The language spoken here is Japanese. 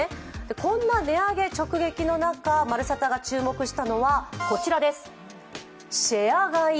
こんな値上げ直撃の中、「まるサタ」が注目したのはこちらです、シェア買い。